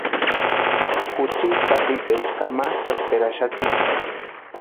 Juchiti taaticha kamachʼaperaxatiksï.